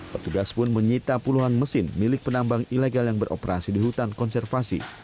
petugas pun menyita puluhan mesin milik penambang ilegal yang beroperasi di hutan konservasi